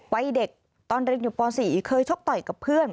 เด็กตอนเรียนอยู่ป๔เคยชกต่อยกับเพื่อน